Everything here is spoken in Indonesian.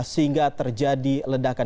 sehingga terjadi ledakan